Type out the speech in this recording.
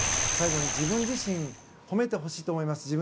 最後に自分自身を褒めてほしいと思います。